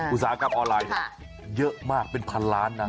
อุตสาหกรรมออนไลน์เยอะมากเป็นพันล้านนะ